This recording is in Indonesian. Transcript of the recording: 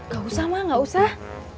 gak usah mah gak usah